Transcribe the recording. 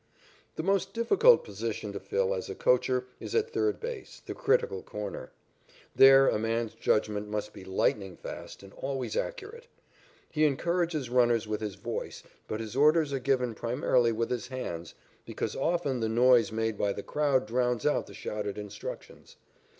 The most difficult position to fill as a coacher is at third base, the critical corner. There a man's judgment must be lightning fast and always accurate. He encourages runners with his voice, but his orders are given primarily with his hands, because often the noise made by the crowd drowns out the shouted instructions.